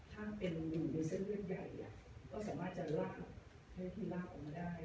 ถ้าเป็นอยู่ในเส้นเลือดใหญ่ก็สามารถจะลากให้ที่ลากออกมาได้